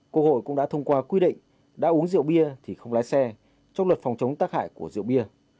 cô hội cũng đã thông qua quy định đã uống rượu bia thì không lái xe trong luật phòng chống tác hại của rượu bia